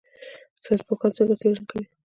ساینس پوهان څنګه څیړنه کوي؟